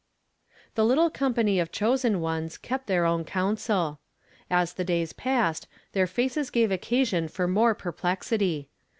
The little company of chosen ones kept their own council. As the days passed, their faces gave occasion for more perplexity.